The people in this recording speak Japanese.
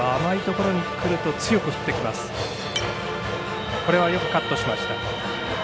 これはよくカットしました。